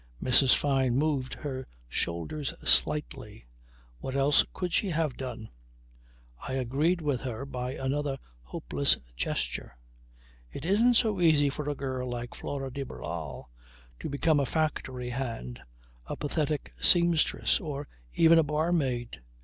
Mrs. Fyne moved her shoulders slightly "What else could she have done?" I agreed with her by another hopeless gesture. It isn't so easy for a girl like Flora de Barral to become a factory hand, a pathetic seamstress or even a barmaid.